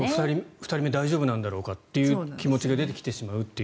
２人目大丈夫なんだろうかという気持ちが出てきてしまうと。